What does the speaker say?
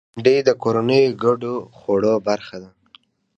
بېنډۍ د کورنیو ګډو خوړو برخه ده